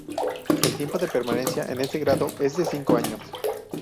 El tiempo de permanencia en este grado es de cinco años.